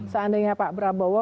seandainya pak prabowo